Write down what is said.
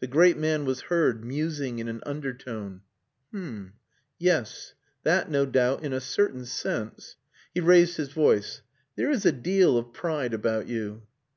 The great man was heard musing in an undertone. "H'm, yes! That no doubt in a certain sense...." He raised his voice. "There is a deal of pride about you...."